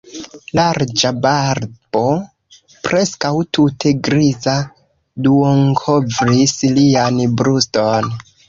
Larĝa barbo, preskaŭ tute griza, duonkovris lian bruston.